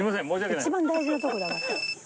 一番大事なとこだから。